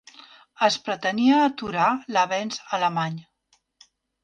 Es pretenia aturar l'avenç alemany.